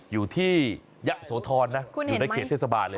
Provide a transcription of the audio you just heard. อยู่ที่ยะโสธรนะอยู่ในเขตเทศบาลเลย